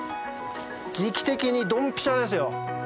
時期的にドンピシャですよ。